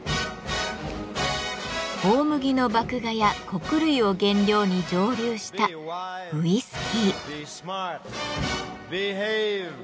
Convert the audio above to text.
大麦の麦芽や穀類を原料に蒸留したウイスキー。